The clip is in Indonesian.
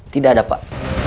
tidak ada pak